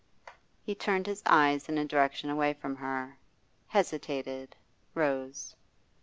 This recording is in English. He turned his eyes in a direction away from her, hesitated, rose.